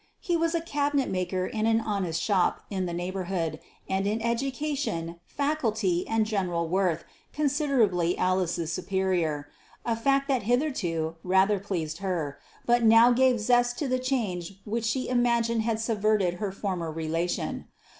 He was a cabinet maker in an honest shop in the neighbourhood, and in education, faculty, and general worth, considerably Alice's superior a fact which had hitherto rather pleased her, but now gave zest to the change which she imagined had subverted their former relation.